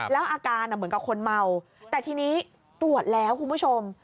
แล้วอาการเหมือนกับคนเมาแต่ทีนี้ตรวจแล้วคุณผู้ชม